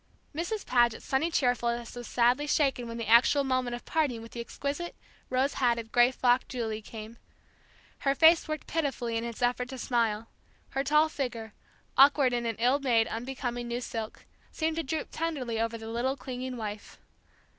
Mrs. Paget's sunny cheerfulness was sadly shaken when the actual moment of parting with the exquisite, rose hatted, gray frocked Julie came; her face worked pitifully in its effort to smile; her tall figure, awkward in an ill made unbecoming new silk, seemed to droop tenderly over the little clinging wife.